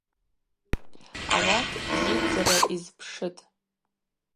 Ауат бзидздзара йызпшытӏ.